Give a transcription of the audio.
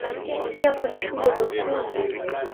Pia kuna shule za Ufundi.